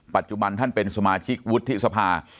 ปัจจุบันท่านเป็นสมาชิกวุฒิสภา